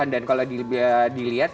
dan kalau dilihat